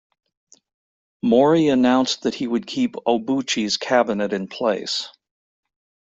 Mori announced that he would keep Obuchi's cabinet in place.